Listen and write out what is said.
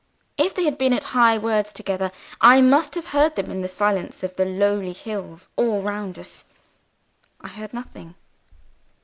If they had been at high words together, I must have heard them in the silence of the lonely hills all round us. I heard nothing.